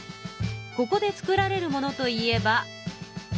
ここで作られるものといえば米。